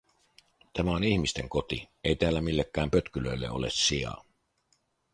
Tämä on ihmisten koti, ei täällä millekään pötkylöille ole sijaa.